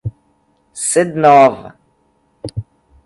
Sede Nova